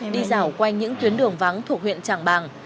đi dảo quanh những tuyến đường vắng thuộc huyện trảng bàng